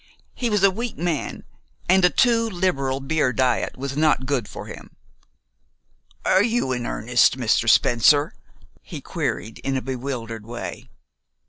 He was a weak man, and a too liberal beer diet was not good for him. "Are you in earnest, Mr. Spencer?" he queried in a bewildered way.